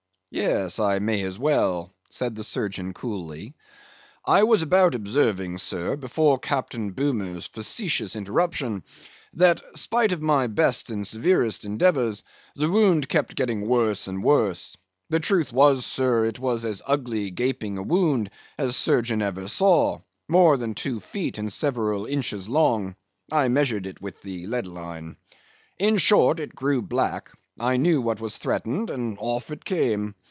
"Yes, I may as well," said the surgeon, coolly. "I was about observing, sir, before Captain Boomer's facetious interruption, that spite of my best and severest endeavors, the wound kept getting worse and worse; the truth was, sir, it was as ugly gaping wound as surgeon ever saw; more than two feet and several inches long. I measured it with the lead line. In short, it grew black; I knew what was threatened, and off it came.